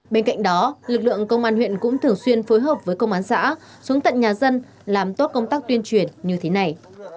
bên cạnh đó lực lượng công an huyện cũng thường xuyên phối hợp với công an xã xuống tận nhà dân làm tốt công tác tuyên truyền như thế này